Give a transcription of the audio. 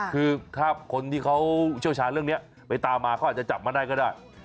คือถ้าคนที่เขาเชี่ยวชาญเรื่องนี้ไปตามมาเขาอาจจะจับมาได้ก็ได้